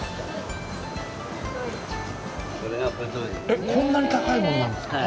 えっ、こんなに高いものなんですか。